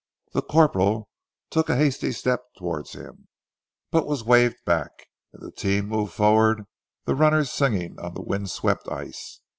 The corporal took a hasty step towards him, but was waved back, and the team moved forward, the runners singing on the windswept ice.